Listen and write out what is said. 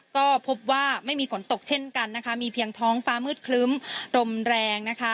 ก็พบว่าไม่มีฝนตกเช่นกันนะคะมีเพียงท้องฟ้ามืดครึ้มลมแรงนะคะ